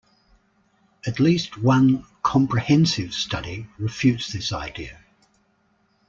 At least one comprehensive study refutes this idea.